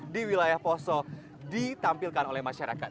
di wilayah poso ditampilkan oleh masyarakat